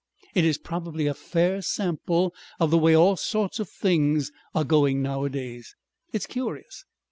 It is probably a fair sample of the way all sorts of things are going nowadays. It's curious....